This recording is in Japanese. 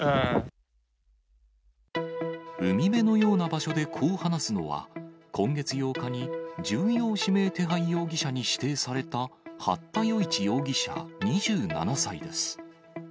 海辺のような場所でこう話すのは、今月８日に重要指名手配容疑者に指定された八田与一容疑者２７歳です。